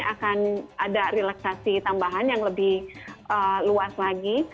akan ada relaksasi tambahan yang lebih luas lagi